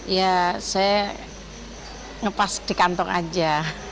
ya saya ngepas di kantong aja